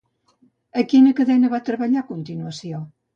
A quina cadena va treballar a continuació?